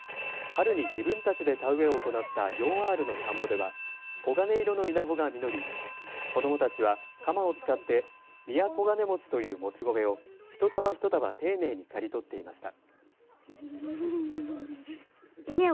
春に自分たちで田植えを行った４アールの田んぼでは黄金色の稲穂が実り子どもたちは鎌を使ってみやこがねもちというもち米を一束一束丁寧に刈り取っていました。